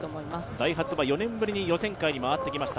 ダイハツは４年ぶりに予選会に回ってきました。